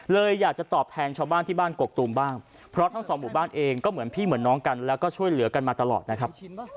อยากจะตอบแทนชาวบ้านที่บ้านกกตูมบ้างเพราะทั้งสองหมู่บ้านเองก็เหมือนพี่เหมือนน้องกันแล้วก็ช่วยเหลือกันมาตลอดนะครับ